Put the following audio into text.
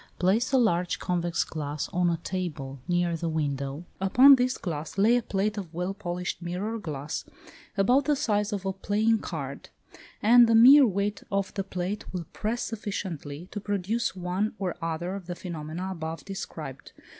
Place a large convex glass on a table near the window; upon this glass lay a plate of well polished mirror glass, about the size of a playing card, and the mere weight of the plate will press sufficiently to produce one or other of the phenomena above described.